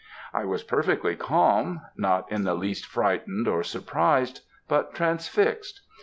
I was perfectly calm, not in the least frightened or surprised, but transfixed.